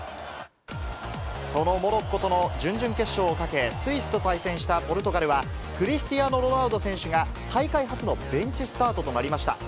そのモロッコとの準々決勝をかけ、スイスと対戦したポルトガルは、クリスティアーノ・ロナウド選手が、大会初のベンチスタートとなりました。